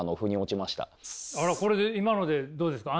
これで今のでどうですか？